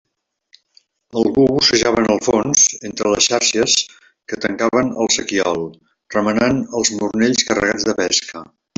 Algú bussejava en el fons, entre les xàrcies que tancaven el sequiol, remenant els mornells carregats de pesca.